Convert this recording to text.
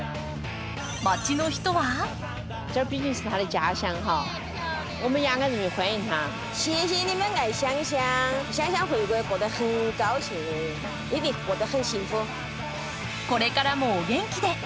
街の人はこれからもお元気で！